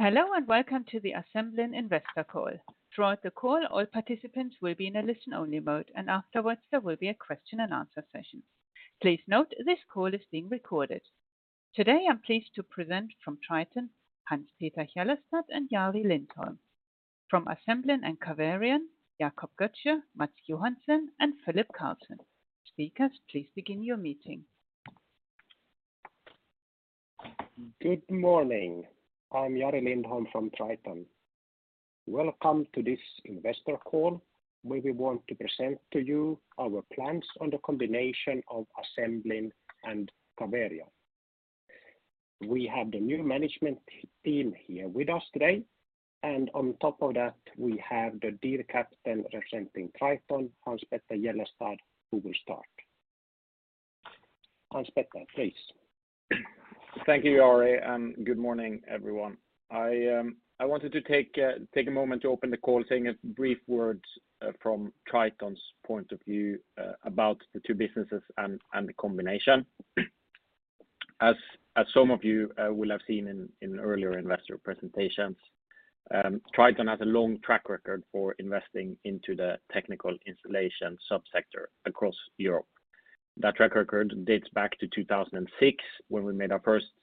Hello and welcome to the Assemblin Investor Call. Throughout the call, all participants will be in a listen-only mode, and afterwards there will be a question-and-answer session. Please note this call is being recorded. Today I'm pleased to present from Triton: Hans Petter Hjellestad and Jari Lindholm. From Assemblin and Caverion: Jacob Götzsche, Mats Johansson, and Philip Carlsson. Speakers, please begin your meeting. Good morning. I'm Jari Lindholm from Triton. Welcome to this investor call where we want to present to you our plans on the combination of Assemblin and Caverion. We have the new management team here with us today, and on top of that we have the Deal Captain representing Triton, Hans Petter Hjellestad, who will start. Hans Peter, please. Thank you, Jari. Good morning, everyone. I wanted to take a moment to open the call saying a brief word from Triton's point of view about the two businesses and the combination. As some of you will have seen in earlier investor presentations, Triton has a long track record for investing into the technical installation subsector across Europe. That track record dates back to 2006 when we made our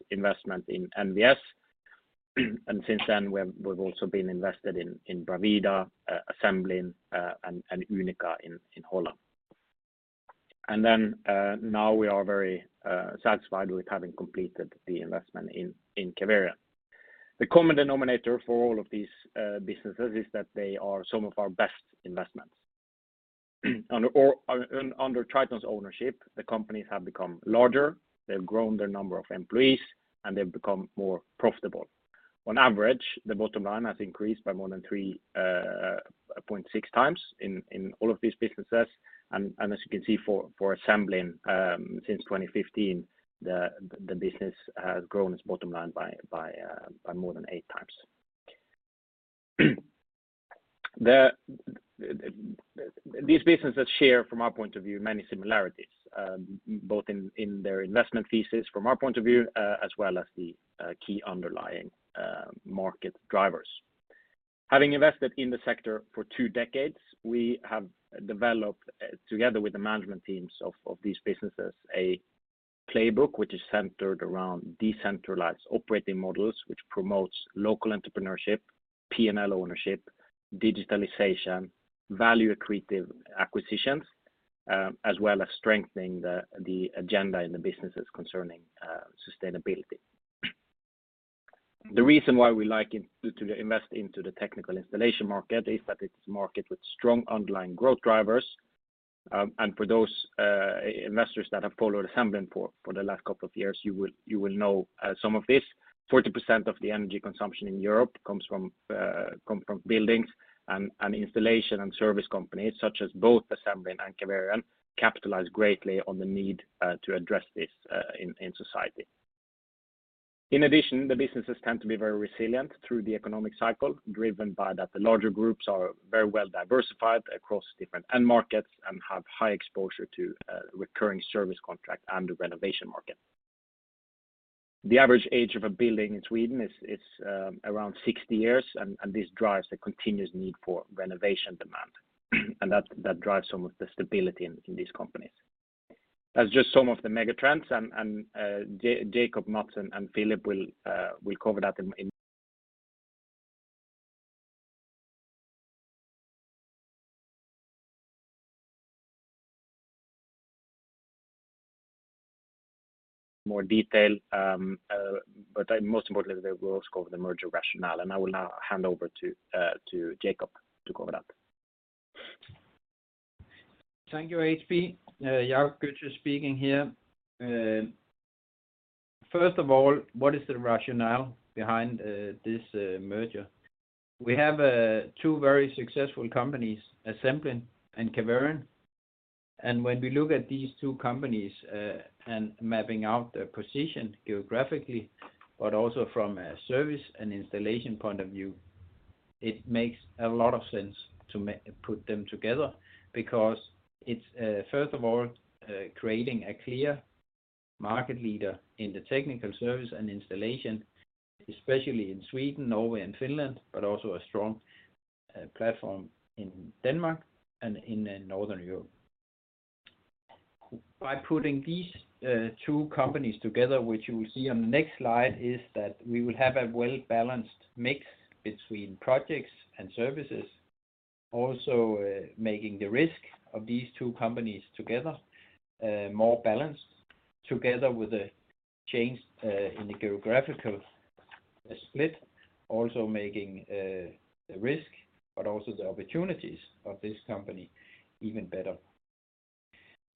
first investment in NVS, and since then we've also been invested in Bravida, Assemblin, and Unica in Holland. And then now we are very satisfied with having completed the investment in Caverion. The common denominator for all of these businesses is that they are some of our best investments. Under Triton's ownership, the companies have become larger, they've grown their number of employees, and they've become more profitable. On average, the bottom line has increased by more than 3.6 times in all of these businesses, and as you can see for Assemblin, since 2015, the business has grown its bottom line by more than 8 times. These businesses share, from our point of view, many similarities, both in their investment thesis from our point of view as well as the key underlying market drivers. Having invested in the sector for two decades, we have developed, together with the management teams of these businesses, a playbook which is centered around decentralized operating models, which promotes local entrepreneurship, P&L ownership, digitalization, value creative acquisitions, as well as strengthening the agenda in the businesses concerning sustainability. The reason why we like to invest into the technical installation market is that it's a market with strong underlying growth drivers, and for those investors that have followed Assemblin for the last couple of years, you will know some of this. 40% of the energy consumption in Europe comes from buildings and installation and service companies, such as both Assemblin and Caverion, capitalize greatly on the need to address this in society. In addition, the businesses tend to be very resilient through the economic cycle, driven by that the larger groups are very well diversified across different end markets and have high exposure to recurring service contract and the renovation market. The average age of a building in Sweden is around 60 years, and this drives a continuous need for renovation demand, and that drives some of the stability in these companies. That's just some of the megatrends, and Jacob, Mats, and Philip will cover that in more detail, but most importantly, they will also cover the merger rationale, and I will now hand over to Jacob to cover that. Thank you, HP. Jacob Götzsche speaking here. First of all, what is the rationale behind this merger? We have two very successful companies, Assemblin and Caverion, and when we look at these two companies and mapping out their position geographically, but also from a service and installation point of view, it makes a lot of sense to put them together because it's, first of all, creating a clear market leader in the technical service and installation, especially in Sweden, Norway, and Finland, but also a strong platform in Denmark and in Northern Europe. By putting these two companies together, which you will see on the next slide, is that we will have a well-balanced mix between projects and services, also making the risk of these two companies together more balanced, together with a change in the geographical split, also making the risk, but also the opportunities of this company even better.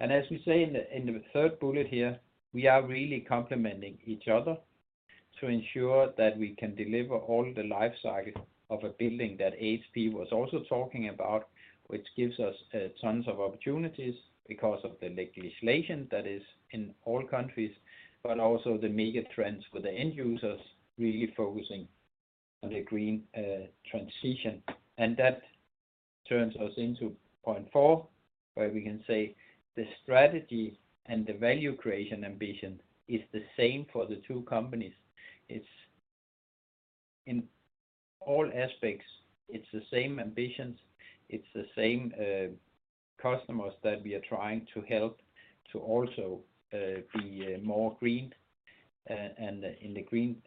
As we say in the third bullet here, we are really complementing each other to ensure that we can deliver all the life cycle of a building that HP was also talking about, which gives us tons of opportunities because of the legislation that is in all countries, but also the megatrends with the end users really focusing on the green transition. That turns us into point four, where we can say the strategy and the value creation ambition is the same for the two companies. In all aspects, it's the same ambitions, it's the same customers that we are trying to help to also be more green in the green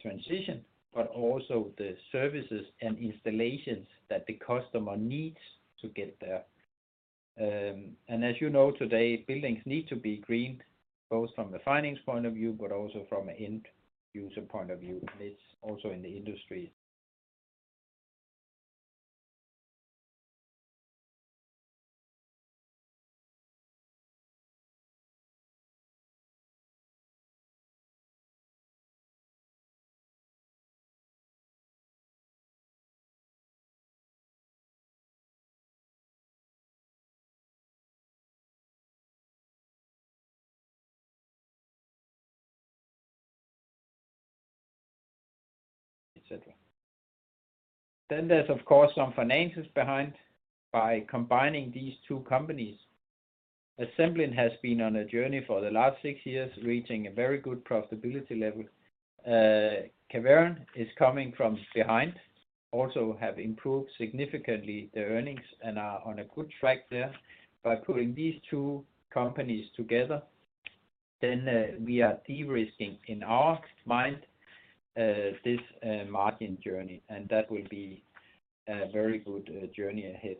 transition, but also the services and installations that the customer needs to get there. And as you know today, buildings need to be green, both from a finance point of view, but also from an end user point of view, and it's also in the industry. Etc. Then there's, of course, some finances behind. By combining these two companies, Assemblin has been on a journey for the last six years, reaching a very good profitability level. Caverion is coming from behind, also have improved significantly their earnings and are on a good track there. By putting these two companies together, then we are de-risking in our mind this margin journey, and that will be a very good journey ahead.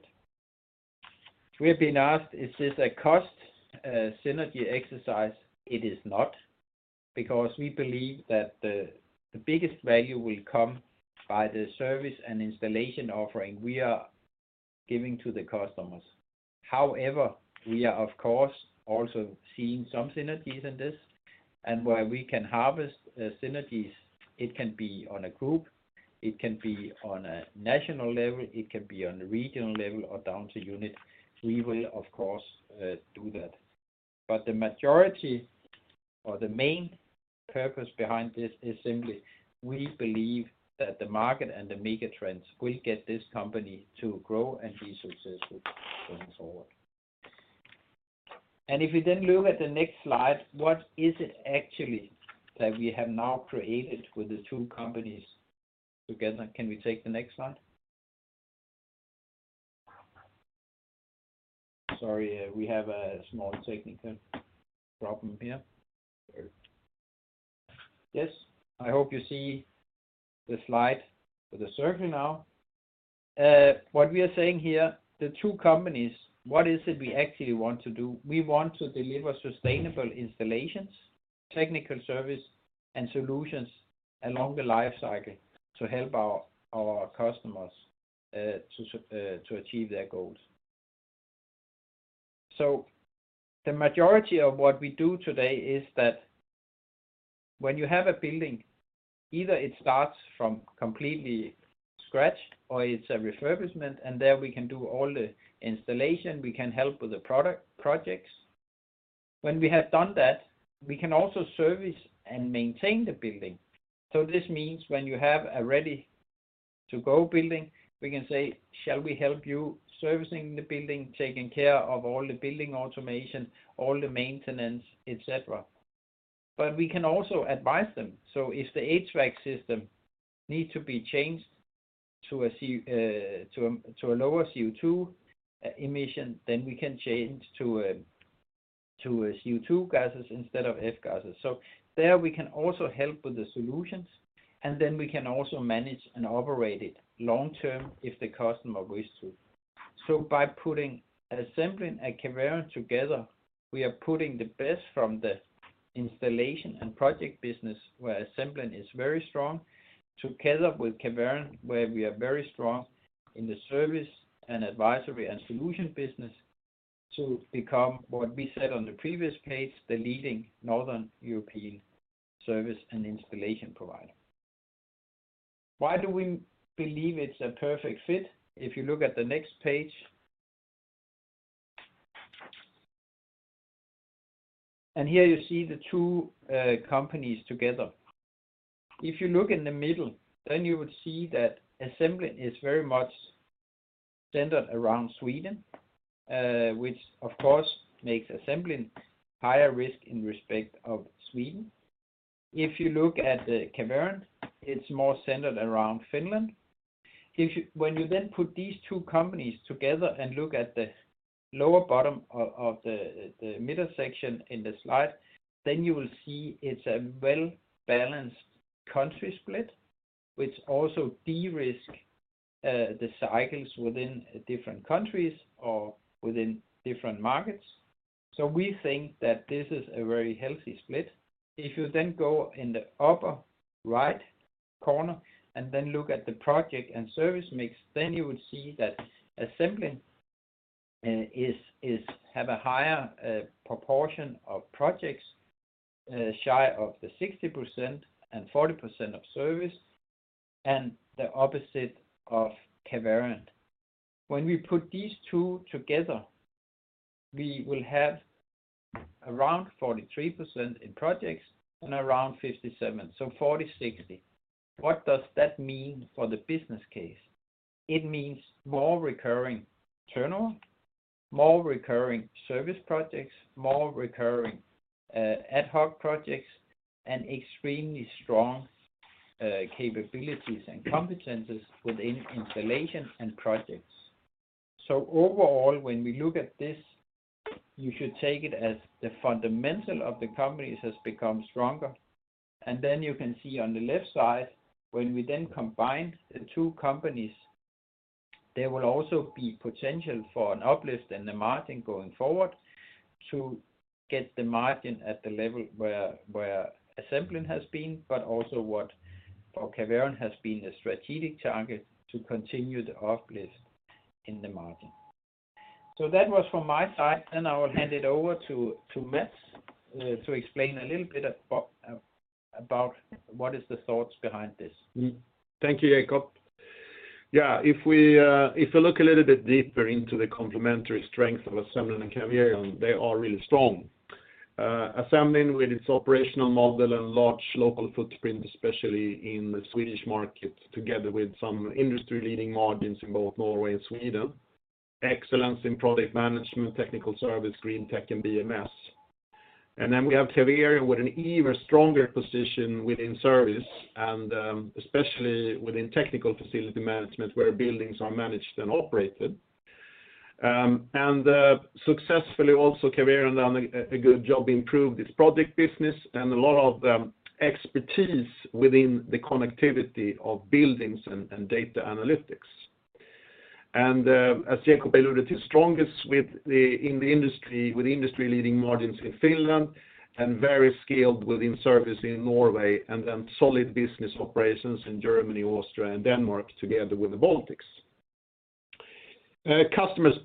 We have been asked, "Is this a cost synergy exercise?" It is not, because we believe that the biggest value will come by the service and installation offering we are giving to the customers. However, we are, of course, also seeing some synergies in this, and where we can harvest synergies, it can be on a group, it can be on a national level, it can be on a regional level, or down to unit. We will, of course, do that. But the majority or the main purpose behind this is simply we believe that the market and the megatrends will get this company to grow and be successful going forward. If we then look at the next slide, what is it actually that we have now created with the two companies together? Can we take the next slide? Sorry, we have a small technical problem here. Yes, I hope you see the slide for the survey now. What we are saying here, the two companies, what is it we actually want to do? We want to deliver sustainable installations, technical service, and solutions along the life cycle to help our customers to achieve their goals. So the majority of what we do today is that when you have a building, either it starts from completely scratch or it's a refurbishment, and there we can do all the installation, we can help with the projects. When we have done that, we can also service and maintain the building. So this means when you have a ready-to-go building, we can say, "Shall we help you servicing the building, taking care of all the building automation, all the maintenance, etc.?" But we can also advise them. So if the HVAC system needs to be changed to a lower CO2 emission, then we can change to CO2 gases instead of F-gases. So there we can also help with the solutions, and then we can also manage and operate it long-term if the customer wishes to. So by putting Assemblin and Caverion together, we are putting the best from the installation and project business, where Assemblin is very strong, together with Caverion, where we are very strong in the service and advisory and solution business, to become, what we said on the previous page, the leading Northern European service and installation provider. Why do we believe it's a perfect fit? If you look at the next page. Here you see the two companies together. If you look in the middle, then you would see that Assemblin is very much centered around Sweden, which, of course, makes Assemblin higher risk in respect of Sweden. If you look at Caverion, it's more centered around Finland. When you then put these two companies together and look at the lower bottom of the middle section in the slide, then you will see it's a well-balanced country split, which also de-risk the cycles within different countries or within different markets. So we think that this is a very healthy split. If you then go in the upper right corner and then look at the project and service mix, then you would see that Assemblin has a higher proportion of projects, shy of the 60% and 40% of service, and the opposite of Caverion. When we put these two together, we will have around 43% in projects and around 57%, so 40/60. What does that mean for the business case? It means more recurring turnover, more recurring service projects, more recurring ad hoc projects, and extremely strong capabilities and competencies within installation and projects. So overall, when we look at this, you should take it as the fundamental of the companies has become stronger. And then you can see on the left side, when we then combine the two companies, there will also be potential for an uplift in the margin going forward to get the margin at the level where Assemblin has been, but also what for Caverion has been a strategic target to continue the uplift in the margin. So that was from my side. Then I will hand it over to Mats to explain a little bit about what are the thoughts behind this. Thank you, Jacob. Yeah, if we look a little bit deeper into the complementary strengths of Assemblin and Caverion, they are really strong. Assemblin, with its operational model and large local footprint, especially in the Swedish market, together with some industry-leading margins in both Norway and Sweden, excellence in project management, technical service, green tech, and BMS. And then we have Caverion with an even stronger position within service, and especially within technical facility management, where buildings are managed and operated. And successfully, also, Caverion done a good job improving its project business and a lot of expertise within the connectivity of buildings and data analytics. And as Jacob alluded, it's strongest in the industry with industry-leading margins in Finland and very scaled within service in Norway, and then solid business operations in Germany, Austria, and Denmark together with the Baltics. Customer's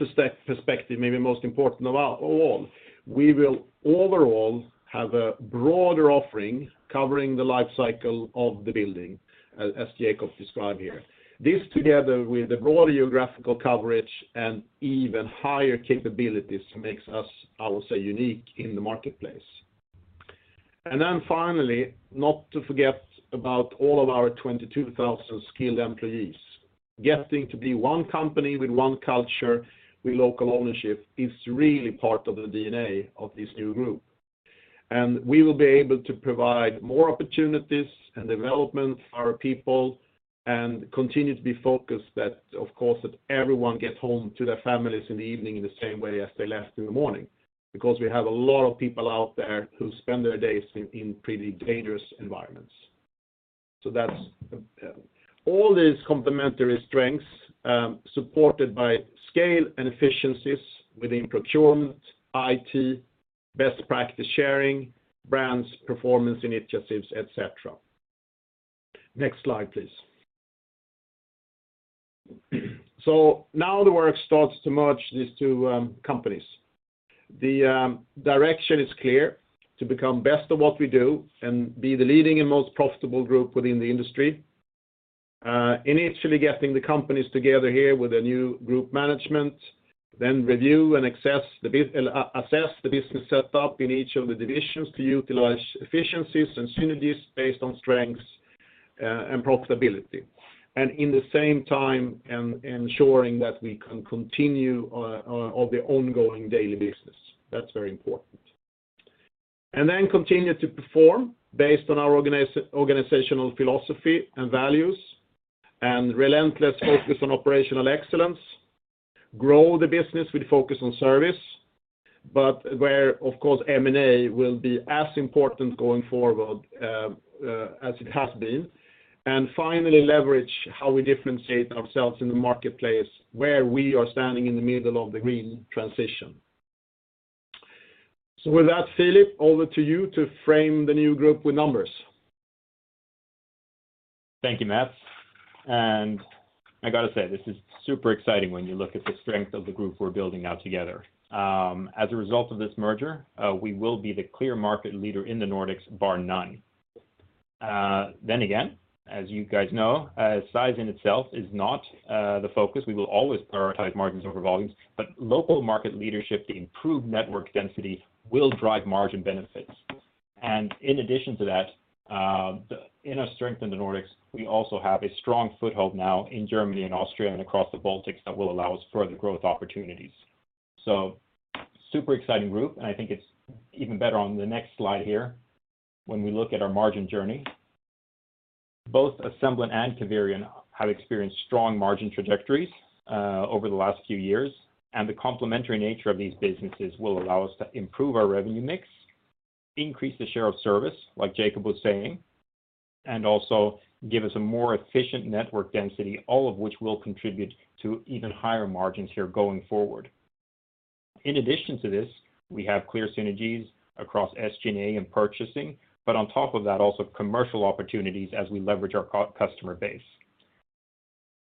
perspective, maybe most important of all, we will overall have a broader offering covering the life cycle of the building, as Jacob described here. This, together with the broader geographical coverage and even higher capabilities, makes us, I would say, unique in the marketplace. And then finally, not to forget about all of our 22,000 skilled employees. Getting to be one company with one culture with local ownership is really part of the DNA of this new group. And we will be able to provide more opportunities and development for our people and continue to be focused that, of course, everyone gets home to their families in the evening in the same way as they left in the morning, because we have a lot of people out there who spend their days in pretty dangerous environments. So all these complementary strengths supported by scale and efficiencies within procurement, IT, best practice sharing, brands, performance initiatives, etc. Next slide, please. So now the work starts to merge these two companies. The direction is clear: to become best at what we do and be the leading and most profitable group within the industry. Initially getting the companies together here with a new group management, then review and assess the business setup in each of the divisions to utilize efficiencies and synergies based on strengths and profitability, and in the same time, ensuring that we can continue all the ongoing daily business. That's very important. And then continue to perform based on our organizational philosophy and values, and relentless focus on operational excellence, grow the business with focus on service, but where, of course, M&A will be as important going forward as it has been, and finally leverage how we differentiate ourselves in the marketplace, where we are standing in the middle of the green transition. So with that, Philip, over to you to frame the new group with numbers. Thank you, Matt. I got to say, this is super exciting when you look at the strength of the group we're building now together. As a result of this merger, we will be the clear market leader in the Nordics, bar none. Then again, as you guys know, size in itself is not the focus. We will always prioritize margins over volumes, but local market leadership, the improved network density, will drive margin benefits. And in addition to that, in our strength in the Nordics, we also have a strong foothold now in Germany and Austria and across the Baltics that will allow us further growth opportunities. So super exciting group, and I think it's even better on the next slide here when we look at our margin journey. Both Assemblin and Caverion have experienced strong margin trajectories over the last few years, and the complementary nature of these businesses will allow us to improve our revenue mix, increase the share of service, like Jacob was saying, and also give us a more efficient network density, all of which will contribute to even higher margins here going forward. In addition to this, we have clear synergies across SG&A and purchasing, but on top of that, also commercial opportunities as we leverage our customer base.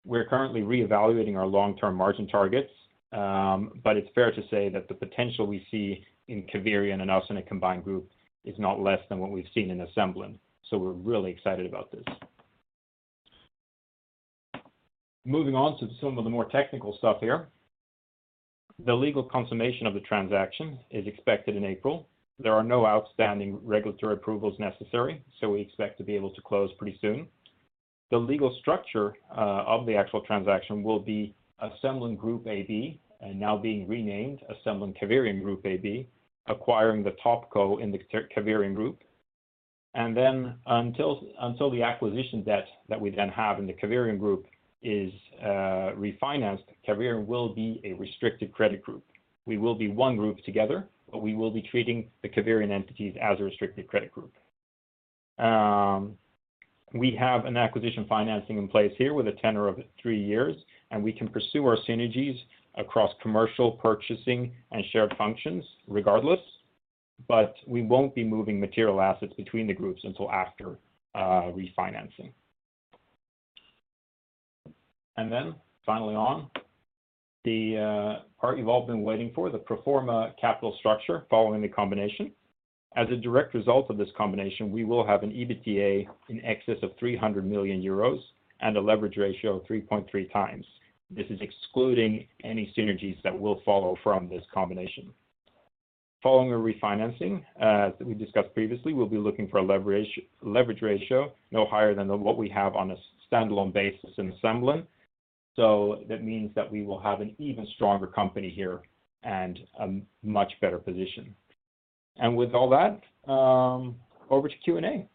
We're currently reevaluating our long-term margin targets, but it's fair to say that the potential we see in Caverion and us in a combined group is not less than what we've seen in Assemblin. So we're really excited about this. Moving on to some of the more technical stuff here. The legal consummation of the transaction is expected in April. There are no outstanding regulatory approvals necessary, so we expect to be able to close pretty soon. The legal structure of the actual transaction will be Assemblin Group AB, now being renamed Assemblin Caverion Group AB, acquiring the Topco in the Caverion Group. Then until the acquisition debt that we then have in the Caverion Group is refinanced, Caverion will be a restricted credit group. We will be one group together, but we will be treating the Caverion entities as a restricted credit group. We have an acquisition financing in place here with a tenor of three years, and we can pursue our synergies across commercial, purchasing, and shared functions regardless, but we won't be moving material assets between the groups until after refinancing. Then finally, on the part you've all been waiting for, the pro forma capital structure following the combination. As a direct result of this combination, we will have an EBITDA in excess of 300 million euros and a leverage ratio of 3.3 times. This is excluding any synergies that will follow from this combination. Following our refinancing, as we discussed previously, we'll be looking for a leverage ratio no higher than what we have on a standalone basis in Assemblin. So that means that we will have an even stronger company here and a much better position. With all that, over to Q&A.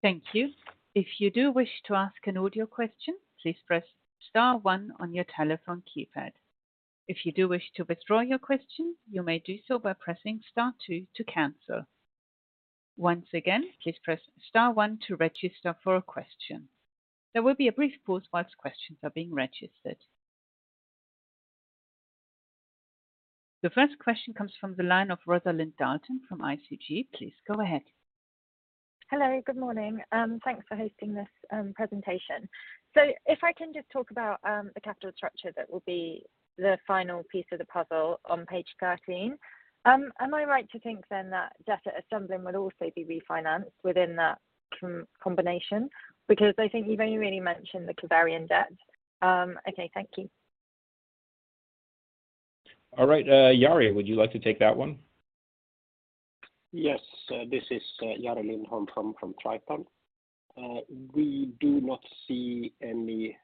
Thank you. If you do wish to ask an audio question, please press Star 1 on your telephone keypad. If you do wish to withdraw your question, you may do so by pressing Star 2 to cancel. Once again, please press Star 1 to register for a question. There will be a brief pause while questions are being registered. The first question comes from the line of Rosalind Dalton from ICG. Please go ahead. Hello. Good morning. Thanks for hosting this presentation. So if I can just talk about the capital structure that will be the final piece of the puzzle on page 13, am I right to think then that debt at Assemblin will also be refinanced within that combination? Because I think you've only really mentioned the Caverion debt. Okay, thank you. All right. Jari, would you like to take that one? Yes. This is Jari Lindholm from Triton. We do not see any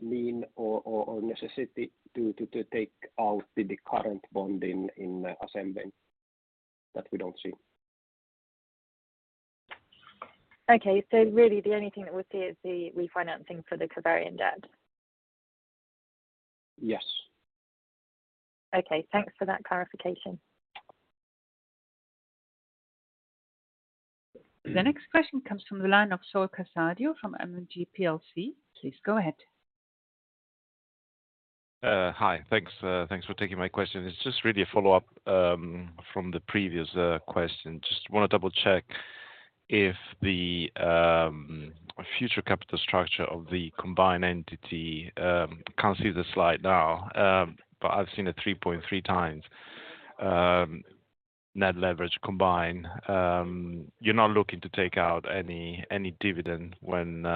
need or necessity to take out the current bond in Assemblin that we don't see. Okay. So really, the only thing that we'll see is the refinancing for the Caverion debt? Yes. Okay. Thanks for that clarification. The next question comes from the line of Saul Casadio from M&G plc. Please go ahead. Hi. Thanks for taking my question. It's just really a follow-up from the previous question. Just want to double-check if the future capital structure of the combined entity can't see the slide now, but I've seen it 3.3x net leverage combined. You're not looking to take out any dividend when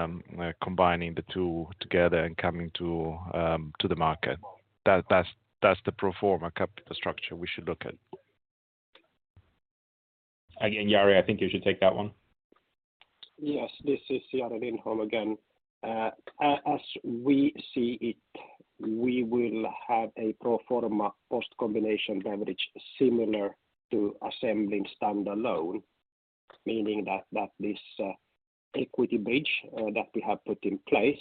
combining the two together and coming to the market. That's the pro forma capital structure we should look at. Again, Jari, I think you should take that one. Yes. This is Jari Lindholm again. As we see it, we will have a pro forma post-combination leverage similar to Assemblin standalone, meaning that this equity bridge that we have put in place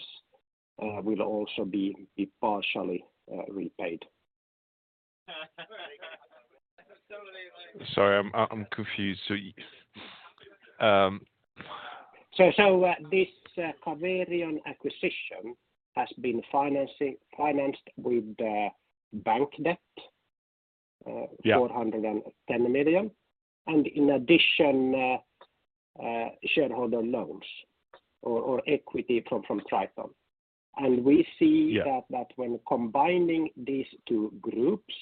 will also be partially repaid. Sorry, I'm confused. This Caverion acquisition has been financed with bank debt, 410 million, and in addition, shareholder loans or equity from Triton. We see that when combining these two groups,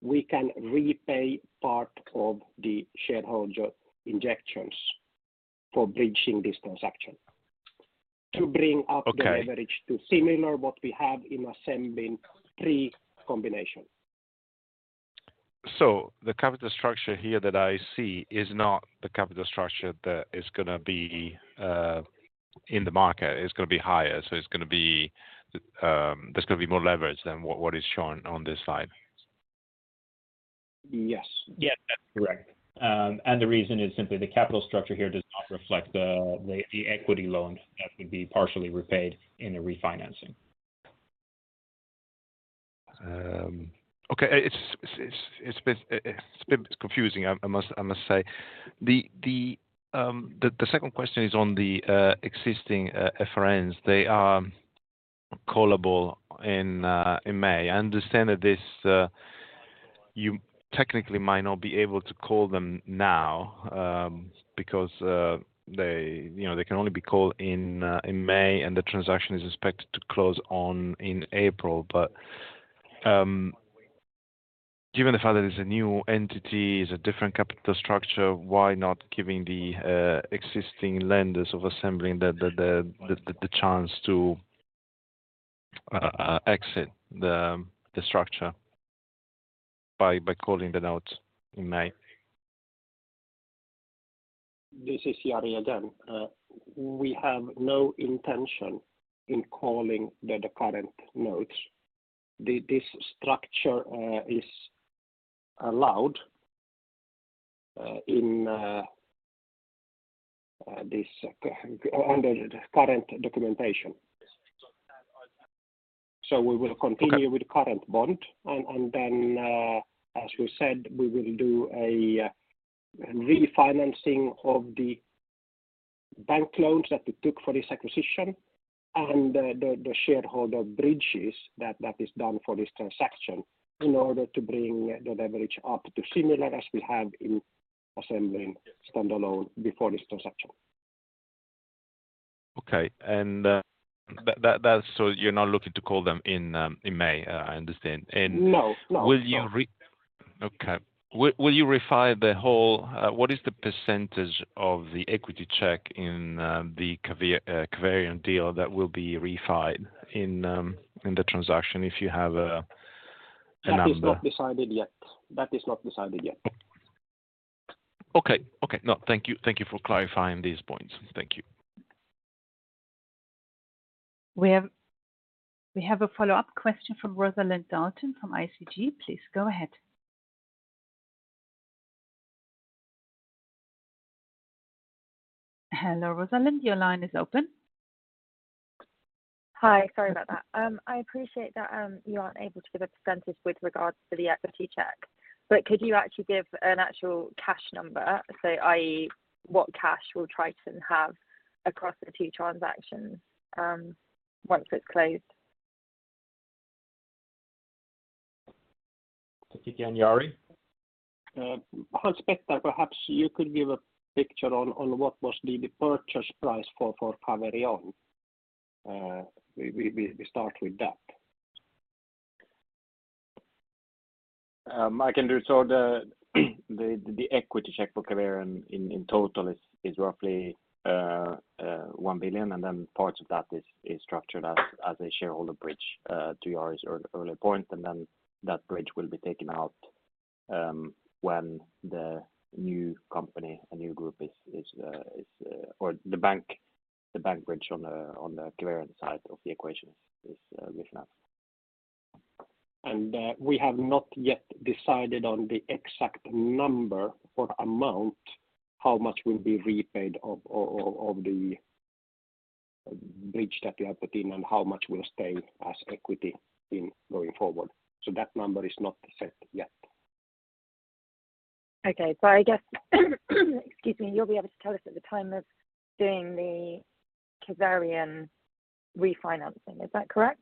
we can repay part of the shareholder injections for bridging this transaction to bring up the leverage to similar to what we have in Assemblin pre-combination. The capital structure here that I see is not the capital structure that is going to be in the market. It's going to be higher. There's going to be more leverage than what is shown on this slide. Yes. Yes, that's correct. The reason is simply the capital structure here does not reflect the equity loan that would be partially repaid in a refinancing. Okay. It's been confusing, I must say. The second question is on the existing FRNs. They are callable in May. I understand that you technically might not be able to call them now because they can only be called in May, and the transaction is expected to close in April. But given the fact that it's a new entity, it's a different capital structure, why not giving the existing lenders of Assemblin the chance to exit the structure by calling the notes in May? This is Jari again. We have no intention of calling the current notes. This structure is allowed under the current documentation. So we will continue with current bond. And then, as we said, we will do a refinancing of the bank loans that we took for this acquisition and the shareholder bridges that is done for this transaction in order to bring the leverage up to similar as we have in Assemblin standalone before this transaction. Okay. And so you're not looking to call them in May, I understand. No, no. Okay. Will you remind us what the percentage of the equity check in the Caverion deal that will be retained in the transaction is, if you have a number? That is not decided yet. That is not decided yet. Okay. Okay. No, thank you for clarifying these points. Thank you. We have a follow-up question from Rosalind Dalton from ICG. Please go ahead. Hello, Rosalind. Your line is open. Hi. Sorry about that. I appreciate that you aren't able to give a percentage with regards to the equity check, but could you actually give an actual cash number, i.e., what cash will Triton have across the two transactions once it's closed? Take it again, Jari. I suspect that perhaps you could give a picture on what was the purchase price for Caverion. We start with that. I can do it. So the equity check for Caverion in total is roughly 1 billion, and then parts of that is structured as a shareholder bridge to Jari's earlier point. And then that bridge will be taken out when the new company, a new group, is or the bank bridge on the Caverion side of the equation is refinanced. We have not yet decided on the exact number or amount, how much will be repaid of the bridge that we have put in and how much will stay as equity going forward. That number is not set yet. Okay. So I guess, excuse me, you'll be able to tell us at the time of doing the Caverion refinancing. Is that correct?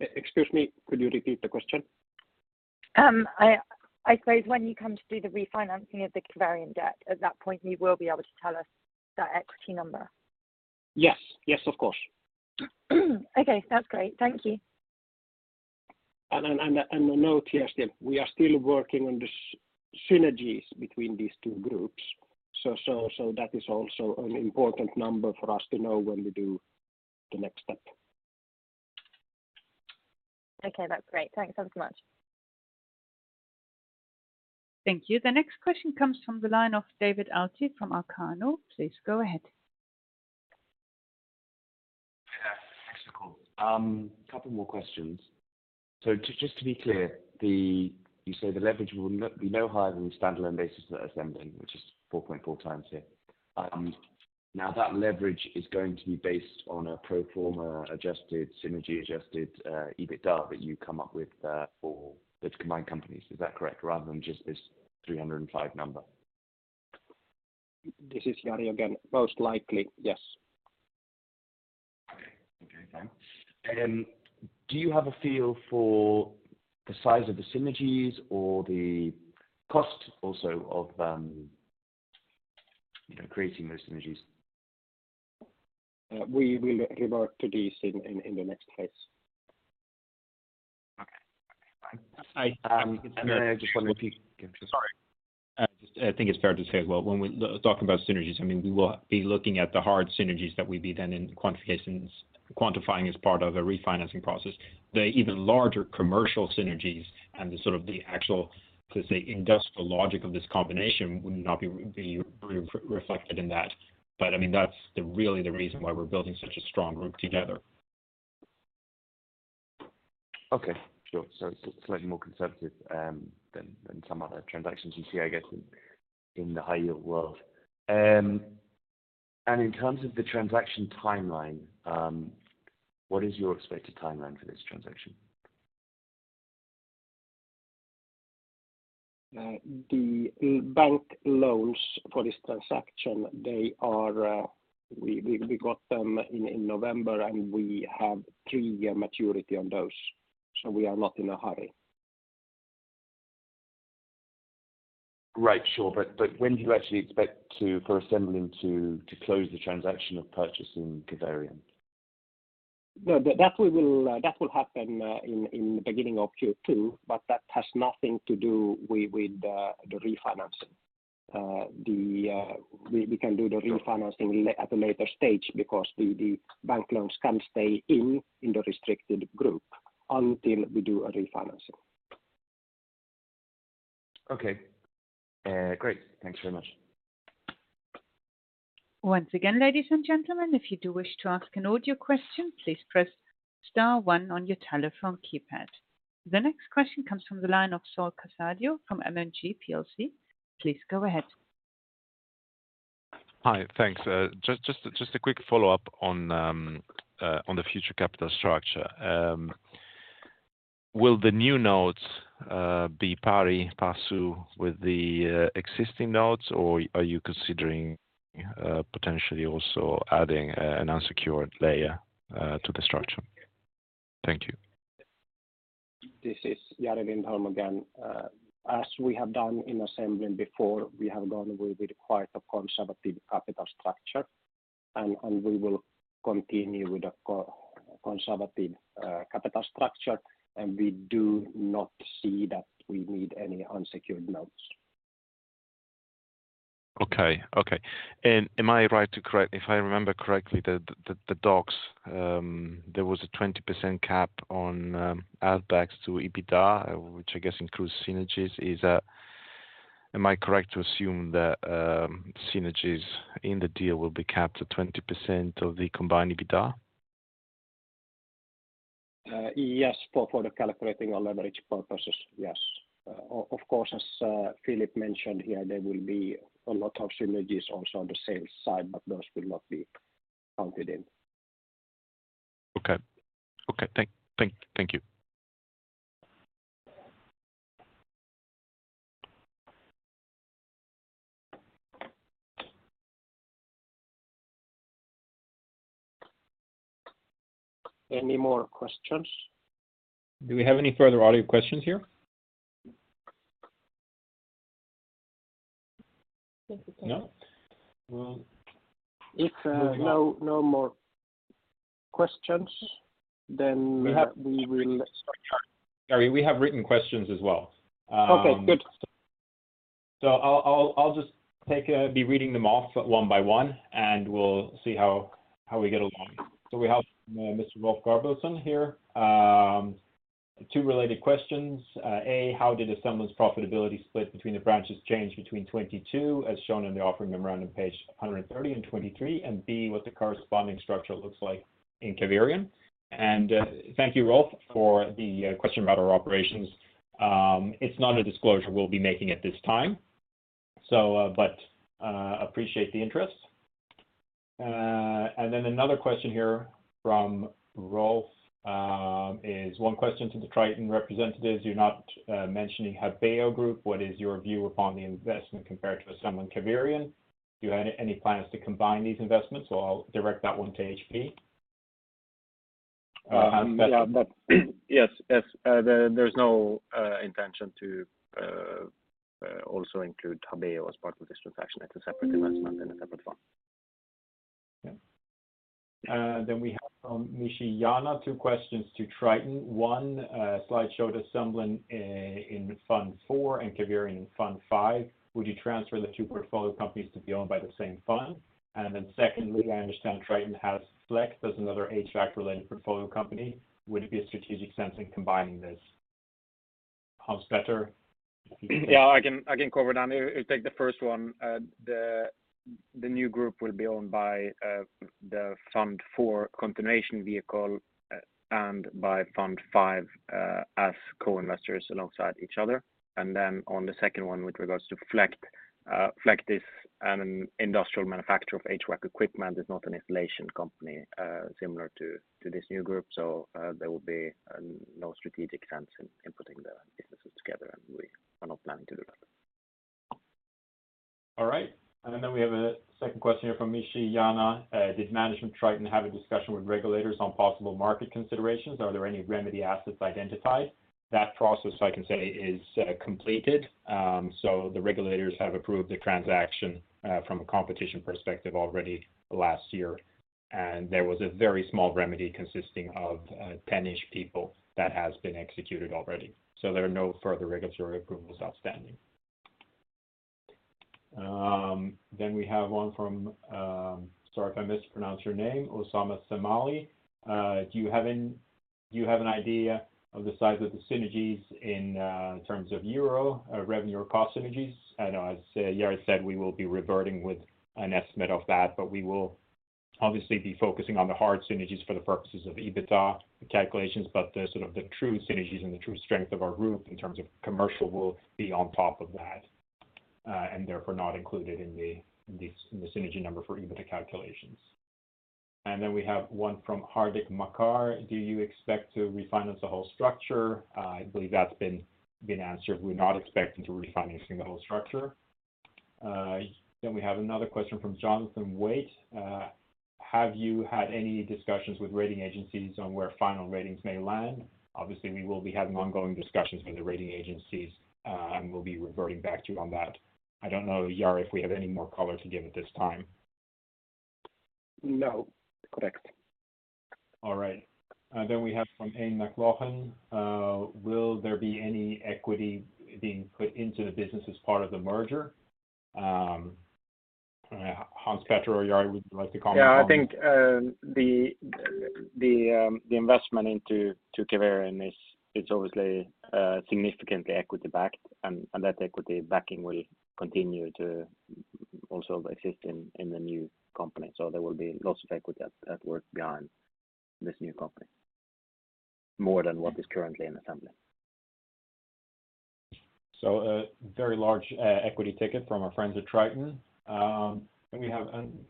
Excuse me, could you repeat the question? I suppose when you come to do the refinancing of the Caverion debt, at that point, you will be able to tell us that equity number. Yes. Yes, of course. Okay. That's great. Thank you. A note, yes, we are still working on the synergies between these two groups. That is also an important number for us to know when we do the next step. Okay. That's great. Thanks so much. Thank you. The next question comes from the line of David Alty from Arcano. Please go ahead. Hey there. Thanks, Nicole. A couple more questions. So just to be clear, you say the leverage will be no higher than the standalone basis at Assemblin, which is 4.4x here. Now, that leverage is going to be based on a pro forma adjusted, synergy-adjusted EBITDA that you come up with for the combined companies. Is that correct, rather than just this 305 number? This is Jari again. Most likely, yes. Okay. Okay. Fine. Do you have a feel for the size of the synergies or the cost also of creating those synergies? We will revert to these in the next phase. Okay. Okay. Fine. Hi. I just want to repeat. Sorry. I think it's fair to say as well, when we're talking about synergies, I mean, we will be looking at the hard synergies that we'd be then quantifying as part of a refinancing process. The even larger commercial synergies and sort of the actual, let's say, industrial logic of this combination would not be reflected in that. But I mean, that's really the reason why we're building such a strong group together. Okay. Sure. So it's slightly more conservative than some other transactions you see, I guess, in the high-yield world. And in terms of the transaction timeline, what is your expected timeline for this transaction? The bank loans for this transaction, we got them in November, and we have three-year maturity on those. So we are not in a hurry. Right. Sure. When do you actually expect for Assemblin to close the transaction of purchasing Caverion? No, that will happen in the beginning of Q2, but that has nothing to do with the refinancing. We can do the refinancing at a later stage because the bank loans can stay in the restricted group until we do a refinancing. Okay. Great. Thanks very much. Once again, ladies and gentlemen, if you do wish to ask an audio question, please press Star 1 on your telephone keypad. The next question comes from the line of Saul Casadio from M&G plc. Please go ahead. Hi. Thanks. Just a quick follow-up on the future capital structure. Will the new notes be pari passu with the existing notes, or are you considering potentially also adding an unsecured layer to the structure? Thank you. This is Jari Lindholm again. As we have done in Assemblin before, we have gone with quite a conservative capital structure, and we will continue with a conservative capital structure. We do not see that we need any unsecured notes. Okay. Okay. And am I right to correct if I remember correctly the docs, there was a 20% cap on addbacks to EBITDA, which I guess includes synergies. Am I correct to assume that synergies in the deal will be capped at 20% of the combined EBITDA? Yes, for the calculating or leverage purposes, yes. Of course, as Philip mentioned here, there will be a lot of synergies also on the sales side, but those will not be counted in. Okay. Okay. Thank you. Any more questions? Do we have any further audio questions here? If no more questions, then we will. Jari, we have written questions as well. Okay. Good. So I'll just be reading them off one by one, and we'll see how we get along. So we have Mr. Rolf Gabrielsen here. Two related questions. A, how did Assemblin's profitability split between the branches change between 2022, as shown in the offering memorandum page 130 and 2023? And B, what the corresponding structure looks like in Caverion. And thank you, Rolf, for the question about our operations. It's not a disclosure we'll be making at this time, but appreciate the interest. And then another question here from Rolf is one question to the Triton representatives. You're not mentioning Habeo Group. What is your view upon the investment compared to Assemblin Caverion? Do you have any plans to combine these investments? Well, I'll direct that one to HP. Yes. Yes. There's no intention to also include Habeo as part of this transaction. It's a separate investment in a separate fund. Yeah. Then we have from Mishiyana two questions to Triton. One, the slide showed Assemblin in Fund 4 and Caverion in Fund 5. Would you transfer the two portfolio companies to be owned by the same fund? And then secondly, I understand Triton has FläktGroup. That's another HVAC-related portfolio company. Would it be a strategic sense in combining this? Hans Petter Hjellestad? Yeah. I can cover that. If you take the first one, the new group will be owned by the Fund 4 continuation vehicle and by Fund 5 as co-investors alongside each other. And then on the second one, with regards to FläktGroup, FläktGroup is an industrial manufacturer of HVAC equipment. It's not an installation company similar to this new group. So there will be no strategic sense in putting the businesses together, and we are not planning to do that. All right. And then we have a second question here from Mishiyana. Did management Triton have a discussion with regulators on possible market considerations? Are there any remedy assets identified? That process, I can say, is completed. So the regulators have approved the transaction from a competition perspective already last year. And there was a very small remedy consisting of 10-ish people that has been executed already. So there are no further regulatory approvals outstanding. Then we have one from, sorry if I mispronounced your name, Oussama Samali. Do you have an idea of the size of the synergies in terms of euro revenue or cost synergies? I know as Jari said, we will be reverting with an estimate of that, but we will obviously be focusing on the hard synergies for the purposes of EBITDA calculations. But sort of the true synergies and the true strength of our group in terms of commercial will be on top of that and therefore not included in the synergy number for EBITDA calculations. And then we have one from Hardik Makkar. Do you expect to refinance the whole structure? I believe that's been answered. We're not expecting to refinance the whole structure. Then we have another question from Jonathan Waite. Have you had any discussions with rating agencies on where final ratings may land? Obviously, we will be having ongoing discussions with the rating agencies, and we'll be reverting back to you on that. I don't know, Jari, if we have any more color to give at this time. No. Correct. All right. Then we have from Aine McLaughlin. Will there be any equity being put into the business as part of the merger? Hans-Petter or Jari, would you like to comment on that? Yeah. I think the investment into Caverion is obviously significantly equity-backed, and that equity backing will continue to also exist in the new company. So there will be lots of equity at work behind this new company more than what is currently in Assemblin. A very large equity ticket from our friends at Triton. We have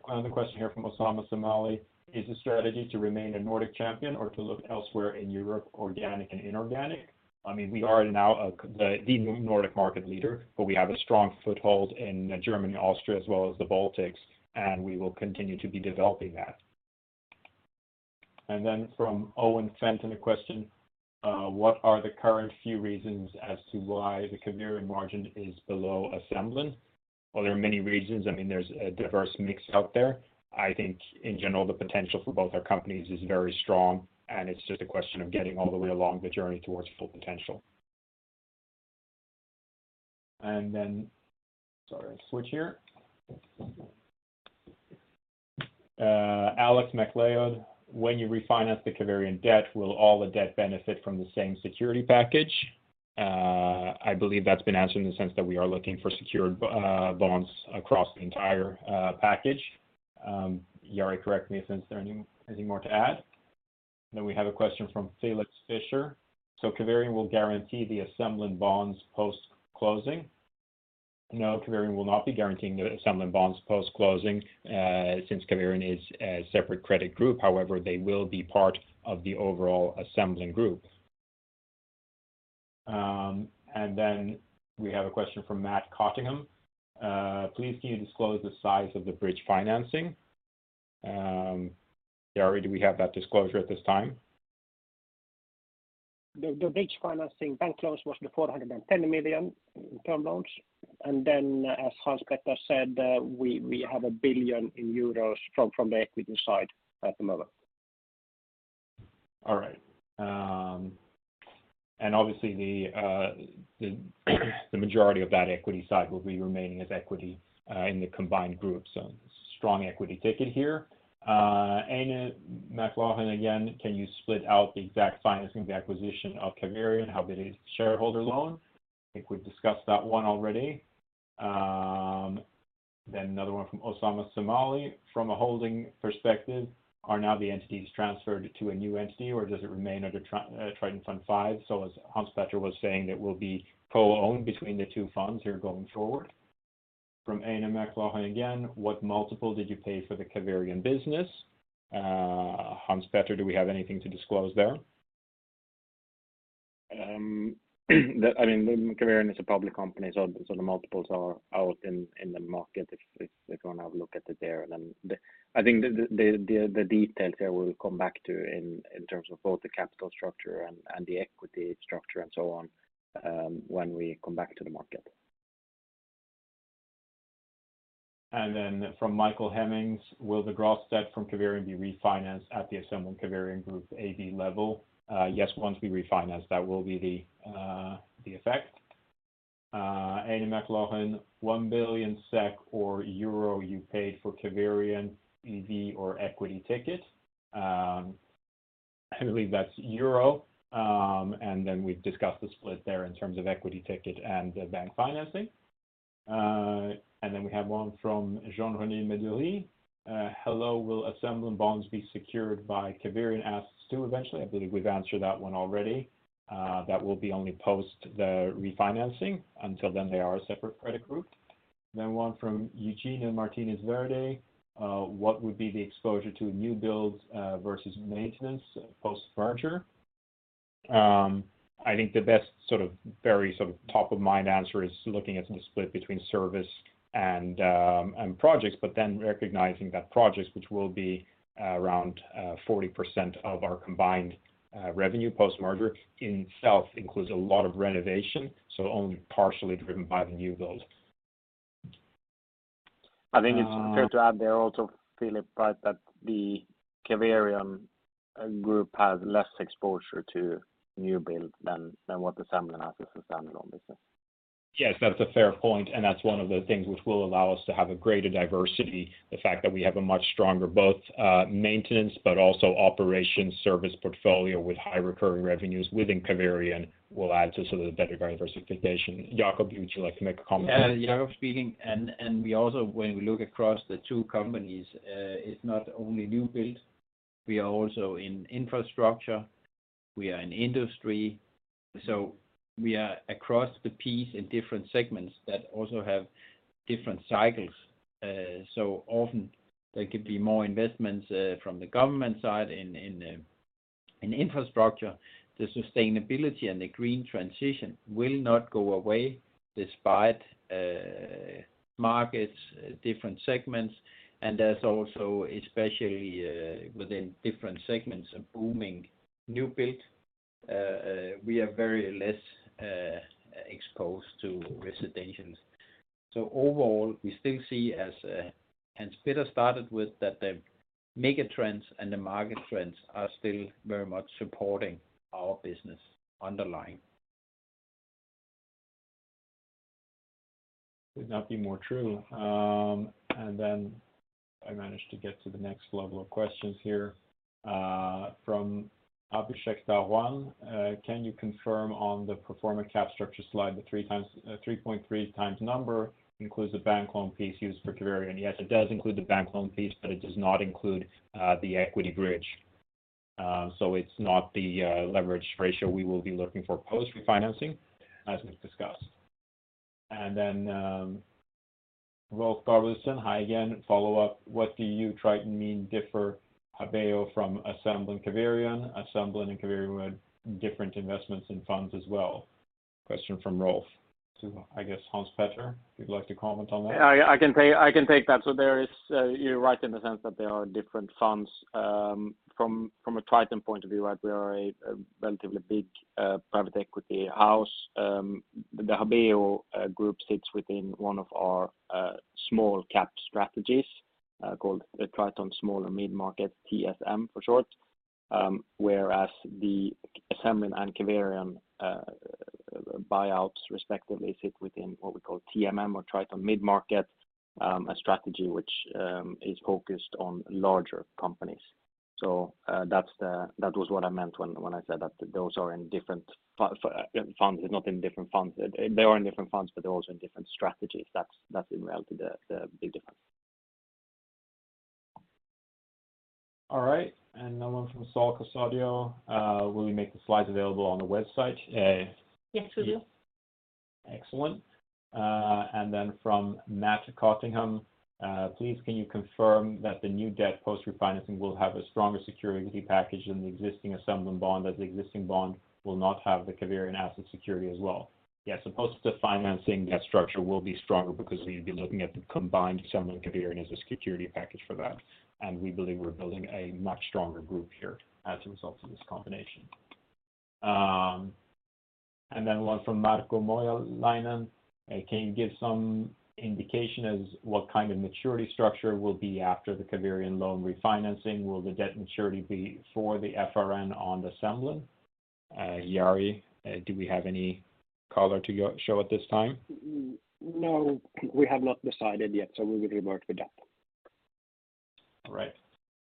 another question here from Oussama Samali. Is the strategy to remain a Nordic champion or to look elsewhere in Europe, organic and inorganic? I mean, we are now the Nordic market leader, but we have a strong foothold in Germany, Austria, as well as the Baltics, and we will continue to be developing that. And then from Owen Fenton a question. What are the current few reasons as to why the Caverion margin is below Assemblin? Well, there are many reasons. I mean, there's a diverse mix out there. I think, in general, the potential for both our companies is very strong, and it's just a question of getting all the way along the journey towards full potential. And then sorry, switch here. Alex McLeod. When you refinance the Caverion debt, will all the debt benefit from the same security package? I believe that's been answered in the sense that we are looking for secured bonds across the entire package. Jari, correct me if there's anything more to add. Then we have a question from Philip Fisher. So Caverion will guarantee the Assemblin bonds post-closing? No, Caverion will not be guaranteeing the Assemblin bonds post-closing since Caverion is a separate credit group. However, they will be part of the overall Assemblin Group. And then we have a question from Matt Cottingham. Please, can you disclose the size of the bridge financing? Jari, do we have that disclosure at this time? The bridge financing bank loans was the 410 million in term loans. And then, as Hans Petter said, we have 1 billion euros from the equity side at the moment. All right. And obviously, the majority of that equity side will be remaining as equity in the combined group. So strong equity ticket here. Aine McLaughlin again, can you split out the exact financing of the acquisition of Caverion? How big is the shareholder loan? I think we've discussed that one already. Then another one from Oussama Samali. From a holding perspective, are now the entities transferred to a new entity, or does it remain under Triton Fund 5? So as Hans Petter was saying, it will be co-owned between the two funds here going forward. From Aine McLaughlin again, what multiple did you pay for the Caverion business? Hans Petter, do we have anything to disclose there? I mean, Caverion is a public company, so the multiples are out in the market if you want to have a look at it there. And then I think the details here will come back to in terms of both the capital structure and the equity structure and so on when we come back to the market. And then from Michael Hemmings, will the gross debt from Caverion be refinanced at the Assemblin Caverion Group AB level? Yes, once we refinance, that will be the effect. Aine McLaughlin, 1 billion SEK or euro you paid for Caverion EV or equity ticket? I believe that's euro. And then we've discussed the split there in terms of equity ticket and bank financing. And then we have one from Jean-René Meduri. Hello, will Assemblin bonds be secured by Caverion assets too eventually? I believe we've answered that one already. That will be only post the refinancing. Until then, they are a separate credit group. Then one from Eugenio Martínez Verde. What would be the exposure to new builds versus maintenance post-merger? I think the best sort of very sort of top-of-mind answer is looking at the split between service and projects, but then recognizing that projects, which will be around 40% of our combined revenue post-merger itself includes a lot of renovation, so only partially driven by the new build. I think it's fair to add there also, Philip, right, that the Caverion Group has less exposure to new build than what Assemblin has as a standalone business. Yes, that's a fair point. That's one of the things which will allow us to have a greater diversity. The fact that we have a much stronger both maintenance but also operation service portfolio with high recurring revenues within Caverion will add to sort of the better diversification. Jacob, would you like to make a comment? Yeah. Jacob speaking. We also, when we look across the two companies, it's not only new build. We are also in infrastructure. We are in industry. So we are across the piece in different segments that also have different cycles. So often, there could be more investments from the government side in infrastructure. The sustainability and the green transition will not go away despite markets, different segments. There's also, especially within different segments, a booming new build. We are very less exposed to residentials. So overall, we still see, as Hans Petter started with, that the mega trends and the market trends are still very much supporting our business underlying. Could not be more true. Then I managed to get to the next level of questions here. From Abhishek Dhawan, can you confirm on the pro forma cap structure slide, the 3.3x number includes a bank loan piece used for Caverion? Yes, it does include the bank loan piece, but it does not include the equity bridge. So it's not the leverage ratio we will be looking for post-refinancing, as we've discussed. Then Rolf Gabrielsen, hi again. Follow up. What do you, Triton, mean differ Habeo from Assemblin Caverion? Assemblin and Caverion would have different investments and funds as well. Question from Rolf to, I guess, Hans Petter. If you'd like to comment on that. Yeah. I can take that. So, there, you're right in the sense that there are different funds. From a Triton point of view, right, we are a relatively big private equity house. The Habeo Group sits within one of our small cap strategies called Triton Small and Mid Markets, TSM for short, whereas the Assemblin and Caverion buyouts, respectively, sit within what we call TMM or Triton Mid Market, a strategy which is focused on larger companies. So that was what I meant when I said that those are in different funds. It's not in different funds. They are in different funds, but they're also in different strategies. That's in reality the big difference. All right. And no one from Saul Casadio? Will we make the slides available on the website? Yes, we will. Excellent. And then from Matt Cottingham, please, can you confirm that the new debt post-refinancing will have a stronger security package than the existing Assemblin bond as the existing bond will not have the Caverion asset security as well? Yes, the post-refinancing debt structure will be stronger because we'd be looking at the combined Assemblin Caverion as a security package for that. And we believe we're building a much stronger group here as a result of this combination. And then one from Marko Maijalainen. Can you give some indication as what kind of maturity structure will be after the Caverion loan refinancing? Will the debt maturity be for the FRN on Assemblin? Jari, do we have any color to show at this time? No, we have not decided yet. So we will revert to that. All right.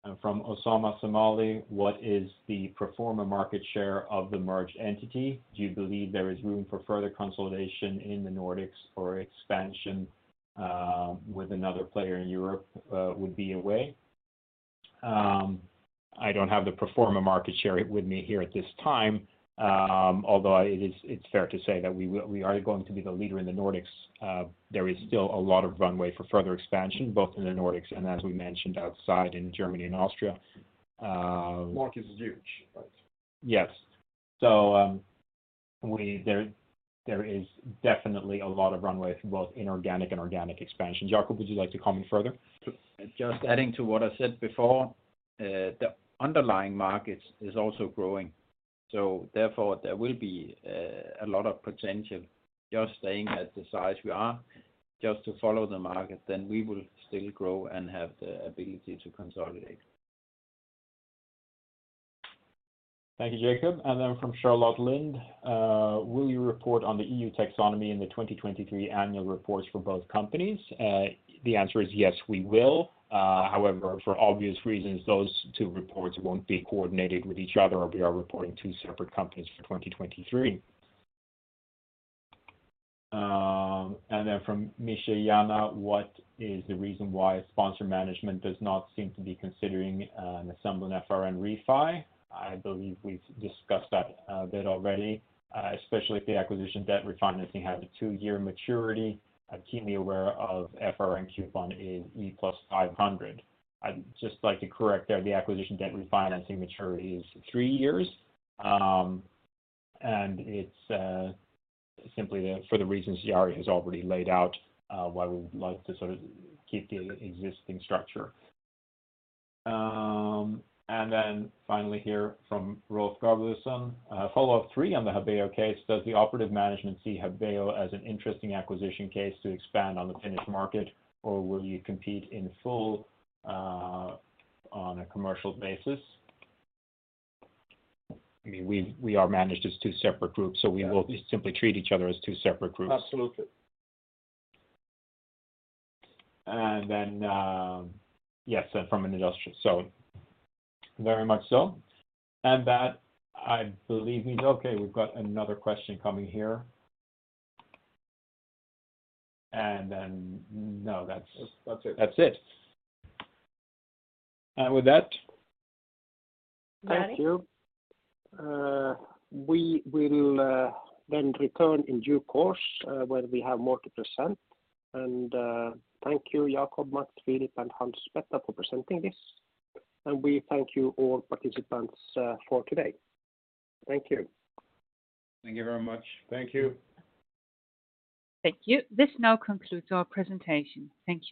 And from Oussama Samali, what is the pro forma market share of the merged entity? Do you believe there is room for further consolidation in the Nordics or expansion with another player in Europe would be a way? I don't have the pro forma market share with me here at this time, although it's fair to say that we are going to be the leader in the Nordics. There is still a lot of runway for further expansion, both in the Nordics and, as we mentioned, outside in Germany and Austria. The market is huge, right? Yes. So there is definitely a lot of runway for both inorganic and organic expansion. Jacob, would you like to comment further? Just adding to what I said before, the underlying market is also growing. So therefore, there will be a lot of potential. Just staying at the size we are, just to follow the market, then we will still grow and have the ability to consolidate. Thank you, Jacob. Then from Charlotte Lind, will you report on the EU Taxonomy in the 2023 annual reports for both companies? The answer is yes, we will. However, for obvious reasons, those two reports won't be coordinated with each other, as we are reporting two separate companies for 2023. Then from Michelle Yana, what is the reason why sponsor management does not seem to be considering an Assemblin FRN refi? I believe we've discussed that a bit already, especially if the acquisition debt refinancing has a 2-year maturity. I'm keenly aware of FRN coupon is EUR + 500. I'd just like to correct there. The acquisition debt refinancing maturity is 3 years. And it's simply for the reasons Jari has already laid out why we would like to sort of keep the existing structure. Then finally here from Rolf Gabrielsen, follow up three on the Habeo case. Does the operative management see Habeo as an interesting acquisition case to expand on the Finnish market, or will you compete in full on a commercial basis? I mean, we are managed as two separate groups, so we will simply treat each other as two separate groups. Absolutely. And then yes, from an industrial. So very much so. And that, I believe, means okay, we've got another question coming here. And then no, that's it. That's it. And with that. Thank you. We will then return in due course when we have more to present. Thank you, Jacob, Matt, Philip, and Hans Petter for presenting this. We thank you all participants for today. Thank you. Thank you very much. Thank you. Thank you. This now concludes our presentation. Thank you.